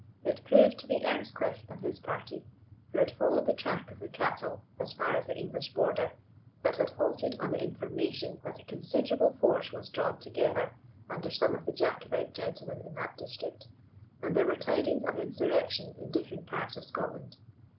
It proved to be Earnscliff and his party, who had followed the track of the cattle as far as the English border, but had halted on the information that a considerable force was drawn together under some of the Jacobite gentlemen in that district, and there were tidings of insurrection in different parts of Scotland.